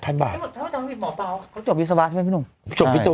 หมอปลาจบวิศวะใช่ไหมพี่หนุ่ม